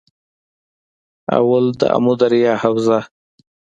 اول- دآمو دریا حوزه